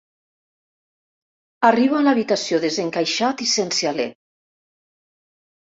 Arribo a l'habitació desencaixat i sense alè.